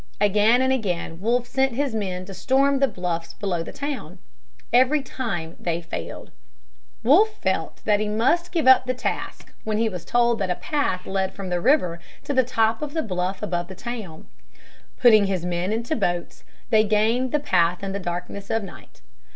Again and again Wolfe sent his men to storm the bluffs below the town. Every time they failed. Wolfe felt that he must give up the task, when he was told that a path led from the river to the top of the bluff above the town. Putting his men into boats, they gained the path in the darkness of night.